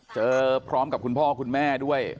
เจอพร้อมกับคุณพ่อคุณแม่ด้วย